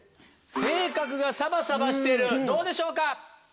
性格がサバサバしてるどうでしょうか？